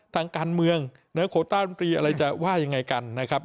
ทางการเมืองโคต้ารมตรีอะไรจะว่ายังไงกันนะครับ